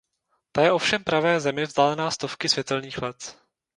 Ta je ovšem pravé Zemi vzdálená stovky světelných let.